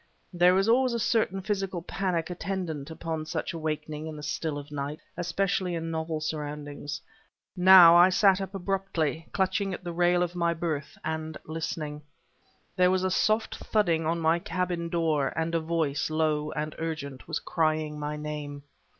There is always a certain physical panic attendant upon such awakening in the still of night, especially in novel surroundings. Now, I sat up abruptly, clutching at the rail of my berth and listening. There was a soft thudding on my cabin door, and a voice, low and urgent, was crying my name.